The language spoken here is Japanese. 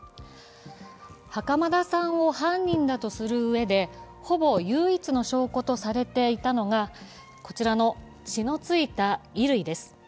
袴田さんを犯人だとするうえで、ほぼ唯一の証拠とされていたのが、こちらの血の付いた衣類です。